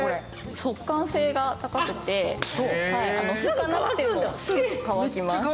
速乾性が高くて、ふかなくてもすぐ乾きます。